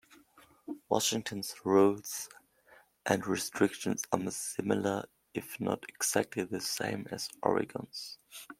Washington's rules and restrictions are similar, if not exactly the same, as Oregon's.